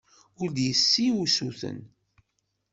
Ur d-yessi usuten.